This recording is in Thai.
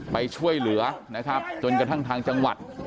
ไปช่วยเหลือนะครับจนกระทั่งทางจังหวัด